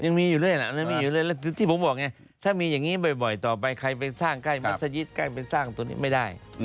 ยังมีอยู่เรื่อยล่ะยังมีอยู่เลยที่ผมบอกไงถ้ามีอย่างนี้บ่อยต่อไปใครไปสร้างใกล้มัศยิตใกล้ไปสร้างตัวนี้ไม่ได้